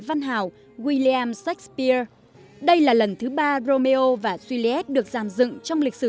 văn hào william shakespeare đây là lần thứ ba romeo và juliet được giam dựng trong lịch sử